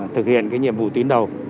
thực hiện nhiệm vụ tiến đầu